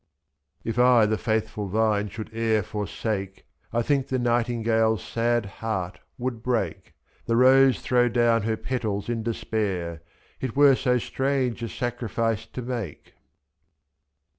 If I the faithful vine should e'er forsake, 1 think the nightingale's sad heart would break, %l^The rose throw down her petals in despair — It were so strange a sacrifice to make.